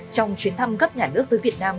trong chuyến thăm gấp nhà nước tới việt nam